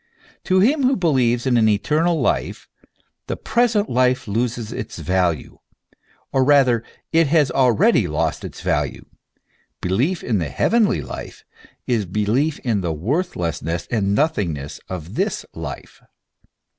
To him who believes in an eternal heavenly life, the present life loses its value, or rather, it has already lost its value : belief in the heavenly life is belief in the worthlessness and nothingness of this life.